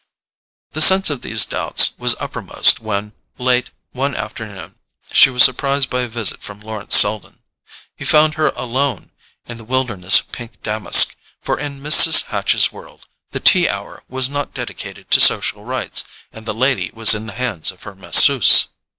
The sense of these doubts was uppermost when, late one afternoon, she was surprised by a visit from Lawrence Selden. He found her alone in the wilderness of pink damask, for in Mrs. Hatch's world the tea hour was not dedicated to social rites, and the lady was in the hands of her masseuse.